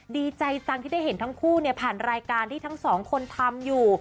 ดีใจจังที่ได้เห็นทั้งคู่ผ่านรายการที่ทั้งสองคนทำอยู่